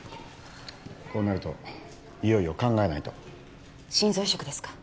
こうなるといよいよ考えないと心臓移植ですか？